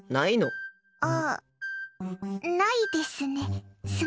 ああ、ないですね。